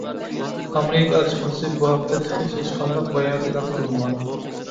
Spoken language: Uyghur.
ئامېرىكا ئەلچىخانىسى بۇ ھەقتە تېخىچە ھېچقانداق بايانات ئېلان قىلمىغان.